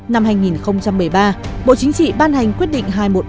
năm hai nghìn một mươi ba bộ chính trị ban hành quyết định hai trăm một mươi ba